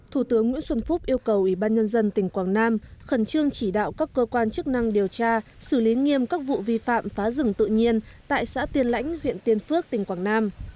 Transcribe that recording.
thủ tướng nguyễn xuân phúc yêu cầu ủy ban nhân dân tỉnh quảng nam khẩn trương chỉ đạo các cơ quan chức năng điều tra xử lý nghiêm các vụ vi phạm phá rừng tự nhiên tại xã tiên lãnh huyện tiên phước tỉnh quảng nam